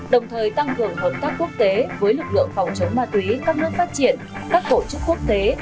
đồng thời tăng cường hợp tác quốc tế với lực lượng phòng chống ma túy các nước phát triển các tổ chức quốc tế